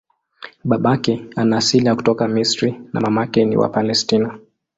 Babake ana asili ya kutoka Misri na mamake ni wa Palestina.